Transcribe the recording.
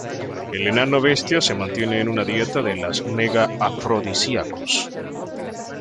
El enano bestia se mantiene en una dieta de las mega-afrodisíacos.